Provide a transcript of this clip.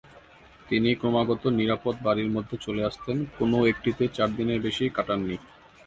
তিনি ক্রমাগত নিরাপদ বাড়ির মধ্যে চলে আসতেন, কোনও একটিতে চার দিনের বেশি কাটাননি।